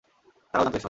তারাও জানতো এসব!